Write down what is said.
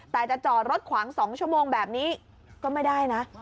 แต่จะจอดรถขวาง๒ชั่วโมงแบบนี้ก็ไม่ได้นะ